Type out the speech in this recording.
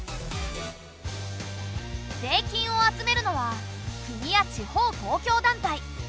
税金を集めるのは国や地方公共団体。